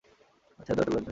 ছেড়ে দেওয়াটা লজ্জার।